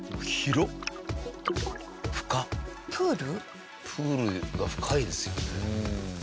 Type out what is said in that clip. プールが深いですよね。